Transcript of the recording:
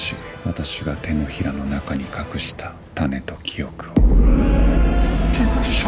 私が手のひらの中に隠したタネと記憶を。